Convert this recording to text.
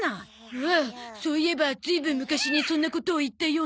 おおっそういえばずいぶん昔にそんなことを言ったような。